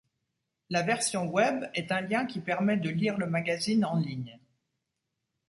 La version Web est un lien qui permet de lire le magazine en ligne.